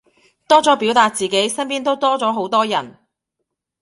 多咗表達自己，身邊都多咗好多人